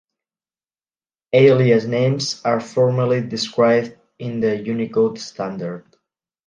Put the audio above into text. Alias names are formally described in the Unicode Standard.